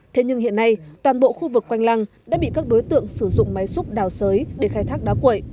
thế nhưng hiện nay toàn bộ khu vực quanh lăng đã bị các đối tượng sử dụng máy xúc đào sới để khai thác đá quậy